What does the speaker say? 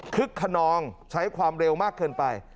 คนนองใช้ความเร็วมากเกินไป